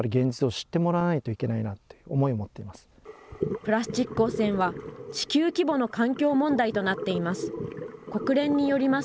プラスチック汚染は、地球規模の環境問題となっています。